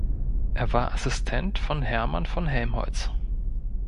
Er war Assistent von Hermann von Helmholtz.